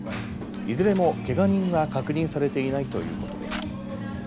いずれもけが人は確認されていないということです。